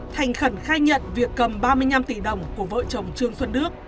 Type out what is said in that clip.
thành khẩn khai nhận việc cầm ba mươi năm tỷ đồng của vợ chồng trương xuân đức